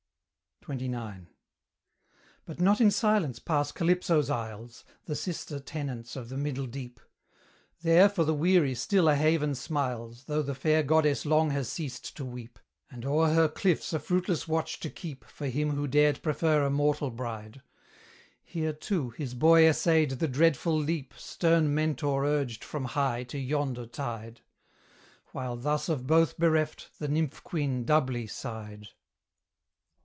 XXIX. But not in silence pass Calypso's isles, The sister tenants of the middle deep; There for the weary still a haven smiles, Though the fair goddess long has ceased to weep, And o'er her cliffs a fruitless watch to keep For him who dared prefer a mortal bride: Here, too, his boy essayed the dreadful leap Stern Mentor urged from high to yonder tide; While thus of both bereft, the nymph queen doubly sighed.